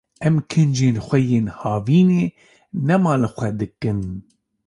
Em kincên xwe yên havînê nema li xwe dikin.